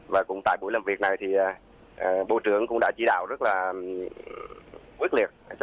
và cũng tại buổi làm việc này thì bộ trưởng cũng đã chỉ đạo rất là quyết liệt